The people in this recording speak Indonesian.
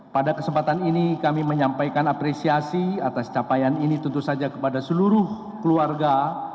pada kesempatan ini kami menyampaikan apresiasi atas capaian ini tentu saja kepada seluruh keluarga